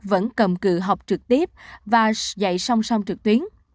vẫn cầm cự học trực tiếp và dạy song song trực tuyến